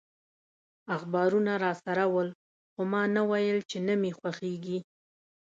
اخبارونه راسره ول، خو ما نه ویل چي نه مي خوښیږي.